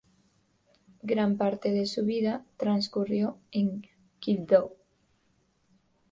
Gran parte de su vida transcurrió en Quibdó.